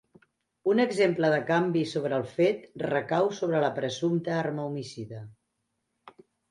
Un exemple de canvi sobre el fet recau sobre la presumpta arma homicida.